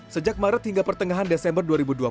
sejak maret hingga pertengahan desember dua ribu dua puluh